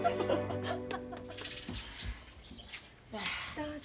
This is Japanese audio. どうぞ。